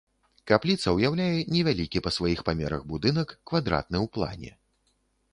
Капліца ўяўляе невялікі па сваіх памерах будынак, квадратны ў плане.